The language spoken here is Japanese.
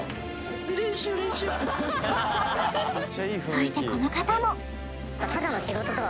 そしてこの方もからね